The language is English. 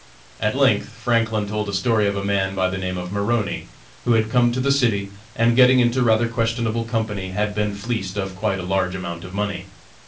At length Franklin told a story of a man by the name of Maroney, who had come to the city, and getting into rather questionable company, had been fleeced of quite a large amount of money.